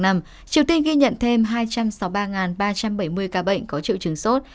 triều tiên ghi nhận thêm hai trăm sáu mươi ba ba trăm bảy mươi ca bệnh có triệu chứng sốt